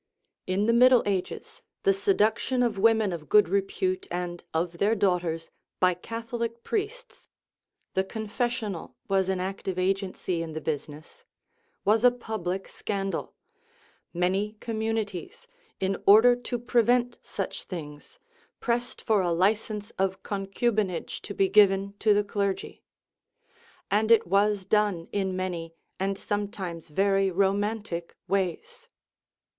In the Middle Ages the seduc tion of women of good repute and of their daughters by Catholic priests (the confessional was an active agency in the business) was a public scandal ; many commu nities, in order to prevent such things, pressed for a license of concubinage to be given to the clergy. And it was done in many, and sometimes very ro matic, ways.